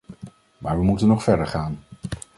Maar we moeten nog verder gaan.